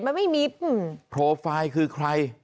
มันไม่มีโปรไฟล์คือใคร